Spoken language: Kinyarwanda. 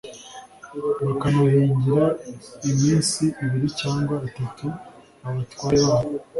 bakanahingira iminsi ibiri cyangwa itatu abatware babo